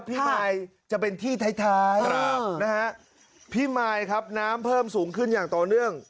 พี่มายจะเป็นที่ท้ายนะฮะพี่มายครับน้ำเพิ่มสูงขึ้นอย่างต่อเนื่อง